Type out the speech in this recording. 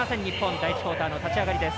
第１クオーターの立ち上がりです。